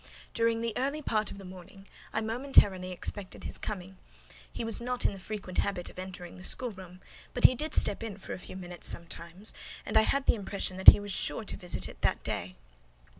During the early part of the morning, I momentarily expected his coming; he was not in the frequent habit of entering the schoolroom, but he did step in for a few minutes sometimes, and I had the impression that he was sure to visit it that day.